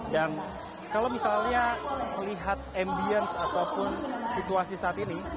dan kalau misalnya melihat ambience ataupun situasi saat ini